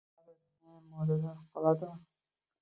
Tavba, to`yxonayam modadan qoladimi